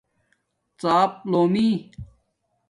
ژَآپا لُومی